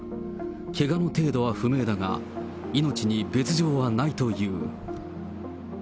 けがの程度は不明だが、命に別状はないという。